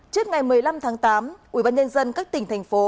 trước ngày một mươi năm tháng tám ubnd các tỉnh thành phố